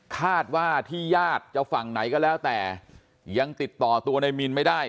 คาดว่าที่ญาติจะฝั่งไหนก็แล้วแต่ยังติดต่อตัวในมินไม่ได้